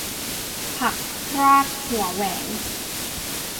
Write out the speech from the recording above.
ผักคราดหัวแหวน